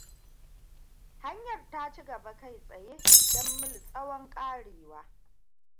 Hanyar ta ci gaba kai tsaye don mil tsawon ƙarewa.